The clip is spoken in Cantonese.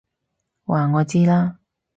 話我知啦！